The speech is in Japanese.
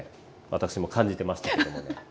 私も感じてましたけどもね